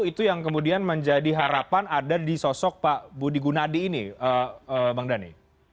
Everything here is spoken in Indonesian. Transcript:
itu yang kemudian menjadi harapan ada di sosok pak budi gunadi ini bang dhani